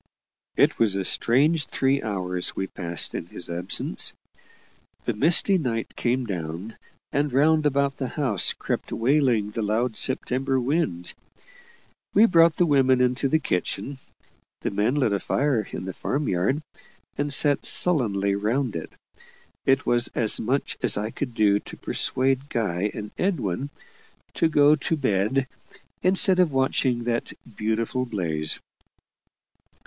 It was a strange three hours we passed in his absence. The misty night came down, and round about the house crept wailing the loud September wind. We brought the women into the kitchen the men lit a fire in the farm yard, and sat sullenly round it. It was as much as I could do to persuade Guy and Edwin to go to bed, instead of watching that "beautiful blaze."